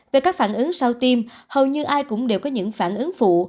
về các phản ứng sau tim hầu như ai cũng đều có những phản ứng phụ